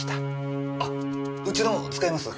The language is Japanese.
あっうちの使います？